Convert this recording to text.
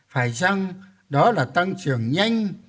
phải chăng đó là tăng trưởng nhanh